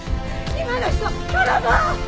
今の人泥棒！